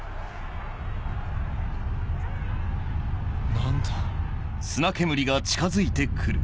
何だ？